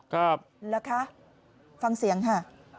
ครับแล้วคะฟังเสียงค่ะ